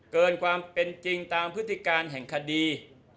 เกินความเป็นจริงตามพฤติการแห่งคดี